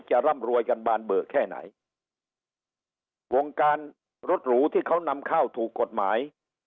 ร่ำรวยกันบานเบอร์แค่ไหนวงการรถหรูที่เขานำเข้าถูกกฎหมาย